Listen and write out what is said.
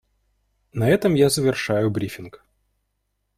На этом я завершаю брифинг.